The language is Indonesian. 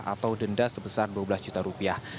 atau denda sebesar dua belas juta rupiah